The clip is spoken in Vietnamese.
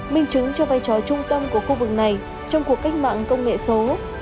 minh chứng cho vai trò trung tâm của khu vực này trong cuộc cách mạng công nghệ số